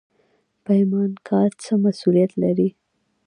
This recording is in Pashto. پیمانکار څه مسوولیت لري؟